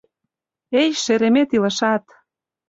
Эй, шеремет, илышат...